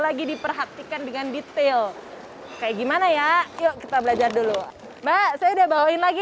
lagi diperhatikan dengan detail kayak gimana ya yuk kita belajar dulu mbak saya udah bawain lagi